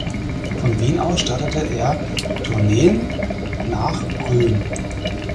Von Wien aus startete er Tourneen nach Brünn.